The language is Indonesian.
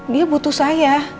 dia butuh saya